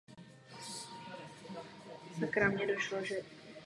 Později zde byla pohřbena také její dcera Anna Marie.